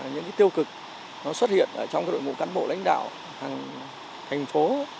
những cái tiêu cực nó xuất hiện trong đội ngũ cán bộ lãnh đạo thành phố